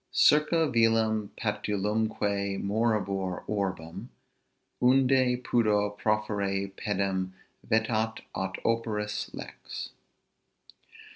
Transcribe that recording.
Circa vilem patulumque morabimur orbem, Unde pudor proferre pedem vetat aut operis lex.